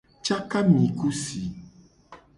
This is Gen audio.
Caka ami ku si.